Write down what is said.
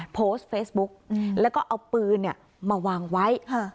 อ๋อโพสต์เฟซบุ๊กอืมแล้วก็เอาปือเนี่ยมาวางไว้ฮะ